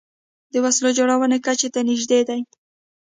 د وسلو جوړونې کچې ته نژدې دي